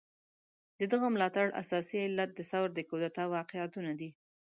د دغه ملاتړ اساسي علت د ثور د کودتا واقعيتونه دي.